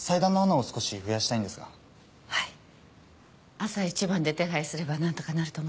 朝一番で手配すれば何とかなると思います。